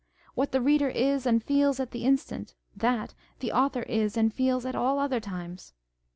What the reader is and feels at the instant, tliat the author is and feels at all other times.